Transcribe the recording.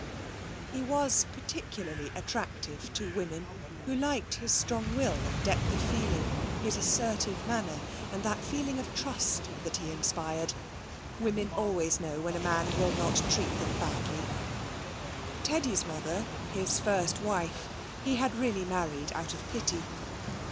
He was particularly attractive to women, who liked his strong will and depth of feeling, his assertive manner and that feeling of trust that he inspired. Women always know when a man will not treat them badly. Teddy's mother, his first wife, he had really married out of pity.